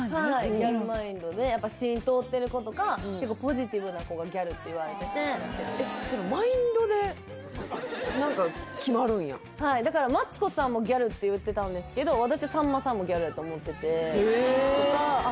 ギャルマインドでやっぱがギャルっていわれててそのマインドで何か決まるんやはいだからマツコさんもギャルって言ってたんですけど私はさんまさんもギャルやと思っててへえああ